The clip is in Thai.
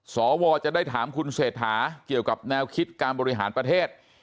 สวจะได้ถามคุณเศรษฐาเกี่ยวกับแนวคิดการบริหารประเทศ